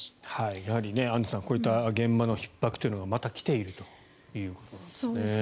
やはりアンジュさんこういった現場のひっ迫というのがまた来ているということなんですね。